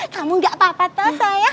kamu enggak apa apa tosa ya